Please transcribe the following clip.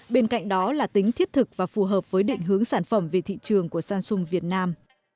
bên cạnh đó là tính thiết thực và phù hợp với định hướng sản phẩm về thị trường của samsung việt nam